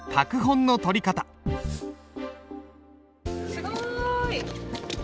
すごい。